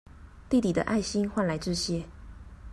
弟弟的愛心換來這些